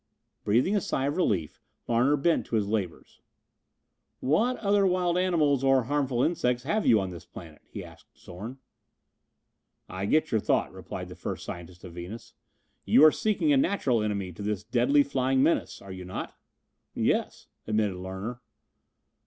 Breathing a sigh of relief, Larner bent to his labors. "What other wild animals or harmful insects have you on this planet?" he asked Zorn. "I get your thought," replied the first scientist of Venus. "You are seeking a natural enemy to this deadly flying menace, are you not?" "Yes," admitted Larner.